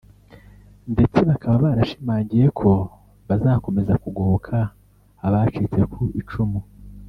ndetse bakaba barashimangiye ko bazakomeza kugoboka abacitse ku icumu